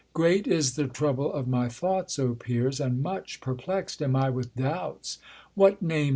Great is the trouble of my thoughts, O peers, And much perplex'd am I with douks, what name.